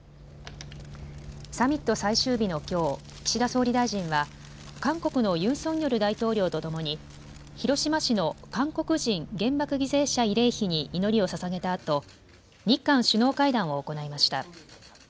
サミット最終日のきょう、岸田総理大臣は、韓国のユン・ソンニョル大統領と共に、広島市の韓国人原爆犠牲者慰霊碑に祈りをささげたあと、日韓首脳会談を行いました。